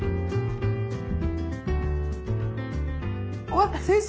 わっ先生